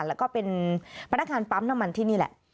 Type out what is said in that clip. แล้วก็เป็นพนักงานปั๊มน้ำมันที่นี่แหละ